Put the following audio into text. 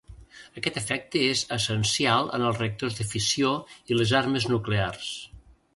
Aquest efecte és essencial en els reactors de fissió i les armes nuclears.